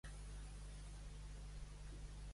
Que no l'has retratat, ja?